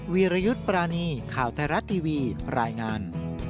วิรยุทธ์ปรานีข่าวไทยรัฐทีวีรายงาน